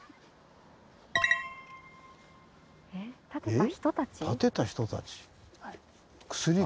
えっ建てた人たち？